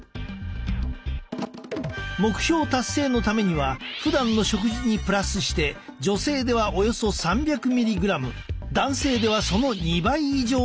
目標達成のためにはふだんの食事にプラスして女性ではおよそ３００ｍｇ男性ではその２倍以上追加したい。